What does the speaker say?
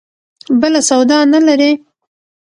بله سودا نه لري.